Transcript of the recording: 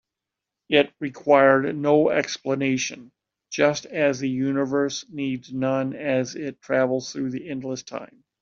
It required no explanation, just as the universe needs none as it travels through endless time.